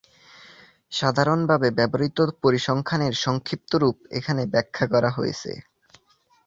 সাধারণভাবে ব্যবহৃত পরিসংখ্যানের সংক্ষিপ্ত রূপ এখানে ব্যাখ্যা করা হয়েছে।